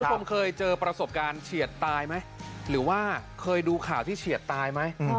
คุณผู้ชมเคยเจอประสบการณ์เฉียดตายไหมหรือว่าเคยดูข่าวที่เฉียดตายไหม